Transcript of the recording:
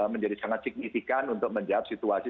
menjadi sangat signifikan untuk menjawab situasi